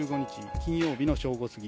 金曜日の正午過ぎ。